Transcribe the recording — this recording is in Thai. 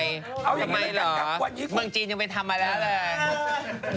ทำไมเหรอเมืองจีนยังไปทำมาแล้ว